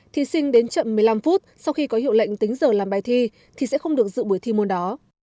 thí sinh đến chậm một mươi năm phút sau khi có hiệu lệnh tính giờ làm bài thi thì sẽ không được dự buổi thi môn đó